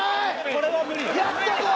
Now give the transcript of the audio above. これは無理よやったぞ！